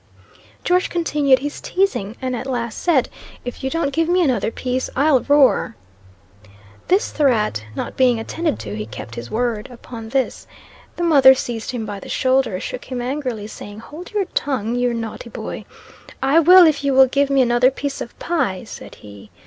George continued his teasing; and at last said, 'If you don't give me another piece, I'll roar.' This threat not being attended to, he kept his word. Upon this, the mother seized him by the shoulder, shook him angrily, saying, 'Hold your tongue, you naughty boy!' 'I will if you will give me another piece of pie,' said he.